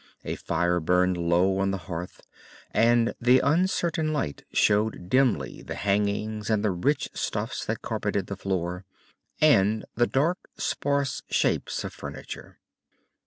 A fire burned low on the hearth, and the uncertain light showed dimly the hangings and the rich stuffs that carpeted the floor, and the dark, sparse shapes of furniture.